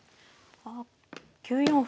あ９四歩。